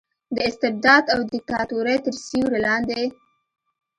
د استبداد او دیکتاتورۍ تر سیورې لاندې